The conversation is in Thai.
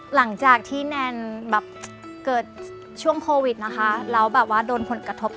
หลังจากที่แนนแบบเกิดช่วงโควิดนะคะแล้วแบบว่าโดนผลกระทบ